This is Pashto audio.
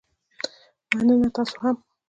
مننه، تاسو هم